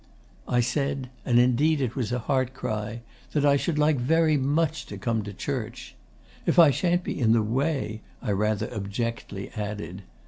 'I said and indeed it was a heart cry that I should like very much to come to church. "If I shan't be in the way," I rather abjectly added.